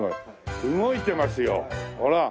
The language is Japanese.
動いてますよほら。